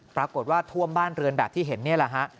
ปรากฏว่าท่วมบ้านเรือนแบบที่เห็นนี่แหละฮะ